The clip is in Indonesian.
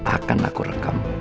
akan aku rekam